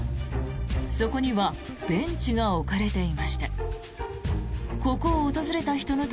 そこにはベンチが置かれていました。